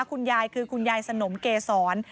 คุณยายคือคุณยายสนมเกษร